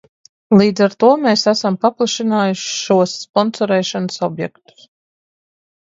Līdz ar to mēs esam paplašinājuši šos sponsorēšanas objektus.